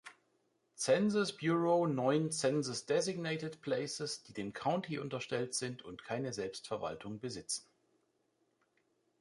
Census Bureau neun Census-designated places, die dem County unterstellt sind und keine Selbstverwaltung besitzen.